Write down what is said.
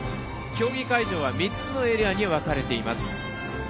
競技会場は３つのエリアに分かれています。